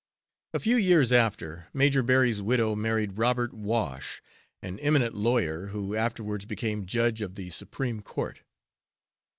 A few years after, Major Berry's widow married Robert Wash, an eminent lawyer, who afterwards became Judge of the Supreme Court.